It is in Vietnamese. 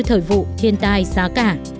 thời vụ thiên tai giá cả